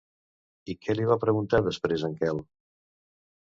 I què li va preguntar després en Quel?